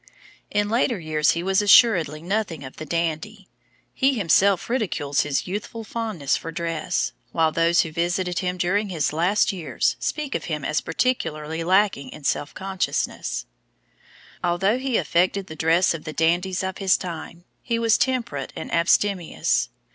In later years he was assuredly nothing of the dandy; he himself ridicules his youthful fondness for dress, while those who visited him during his last years speak of him as particularly lacking in self consciousness. Although he affected the dress of the dandies of his time, he was temperate and abstemious.